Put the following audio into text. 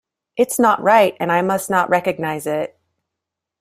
It is not right, and I must not recognize it.